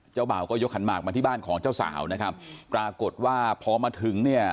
บ่าวก็ยกขันหมากมาที่บ้านของเจ้าสาวนะครับปรากฏว่าพอมาถึงเนี่ย